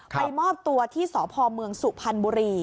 มอบตัวที่สพเมืองสุพรรณบุรี